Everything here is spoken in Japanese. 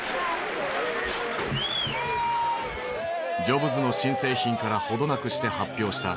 ジョブズの新製品から程なくして発表した